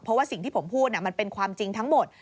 เพราะว่าสิ่งที่ผมพูดมันเป็นความจริงทั้งหมด